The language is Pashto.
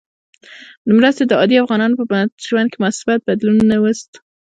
مرستې د عادي افغانانو په ژوند کې مثبت بدلون نه وست.